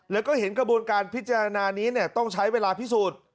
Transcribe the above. แล้วก็เห็นกระบวนการพิจารณานี้ต้องใช้เวลาพิสูจน์